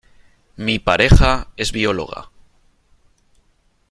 Mi pareja es bióloga.